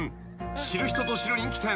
［知る人ぞ知る人気店。